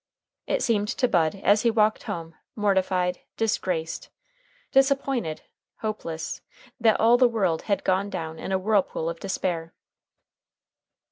It seemed to Bud, as he walked home mortified, disgraced, disappointed, hopeless, that all the world had gone down in a whirlpool of despair.